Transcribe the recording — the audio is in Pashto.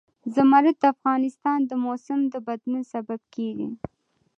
زمرد د افغانستان د موسم د بدلون سبب کېږي.